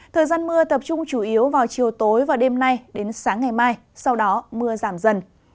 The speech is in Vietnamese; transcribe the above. thời gian mưa tập trung chủ yếu vào chiều tối và đêm nay đến sáng ngày mai sau đó mưa giảm dần